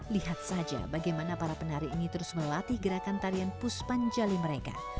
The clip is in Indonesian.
lihat saja bagaimana para penari ini terus melatih gerakan tarian puspan jali mereka